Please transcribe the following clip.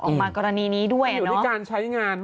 ออกมากรณีนี้ด้วยเนาะ